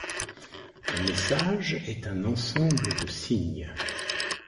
Un message est un ensemble de signes.